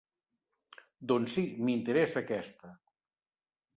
Doncs si, m'interessa aquesta.